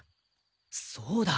そうだ！